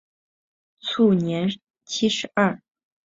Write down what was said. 卒年七十二。